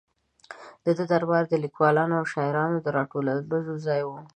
د ده دربار د لیکوالو او شاعرانو د را ټولېدو ځای و.